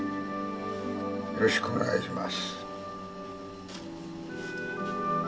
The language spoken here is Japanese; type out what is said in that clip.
よろしくお願いします